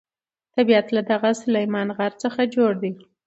طبیعت له دغه سلیمان غر څخه جوړ دی.